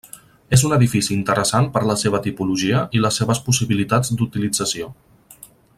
És un edifici interessant per la seva tipologia i les seves possibilitats d'utilització.